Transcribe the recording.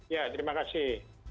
ya terima kasih